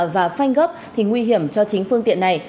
và phanh gấp thì nguy hiểm cho chính phương tiện này